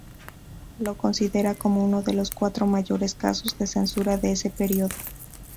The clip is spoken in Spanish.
Lo considera como uno de las cuatro mayores casos de censura de ese periodo.